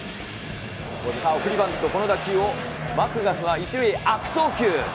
送りバント、この打球をマクガフが１塁へ悪送球。